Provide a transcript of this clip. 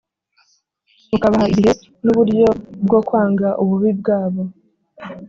ukabaha igihe n’uburyo bwo kwanga ububi bwabo;